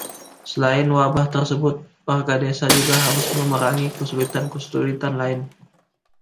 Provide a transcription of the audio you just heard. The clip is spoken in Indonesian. Selain wabah tersebut, warga desa juga harus memerangi kesulitan-kesulitan lain.